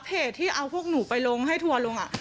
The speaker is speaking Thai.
เพจที่เอาพวกหนูไปลงให้ทัวร์ลง